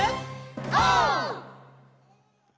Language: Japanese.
オー！